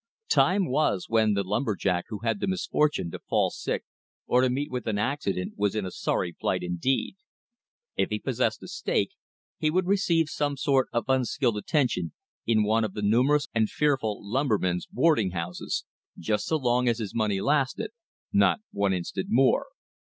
Time was when the lumber jack who had the misfortune to fall sick or to meet with an accident was in a sorry plight indeed. If he possessed a "stake," he would receive some sort of unskilled attention in one of the numerous and fearful lumberman's boarding houses, just so long as his money lasted, not one instant more.